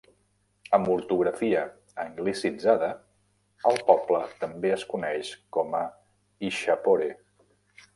Amb ortografia anglicitzada, el poble també es coneix com a Ishapore.